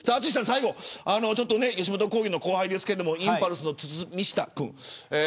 最後吉本興業の後輩ですけどもインパルスの堤下君。